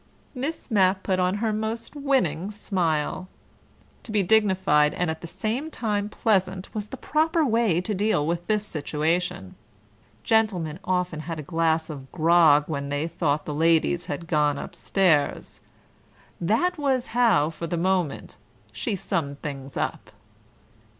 Miss Mapp put on her most winning smile. To be dignified and at the same time pleasant was the proper way to deal with this situation. Gentlemen often had a glass of grog when they thought the ladies had gone upstairs. That was how, for the moment, she summed things up.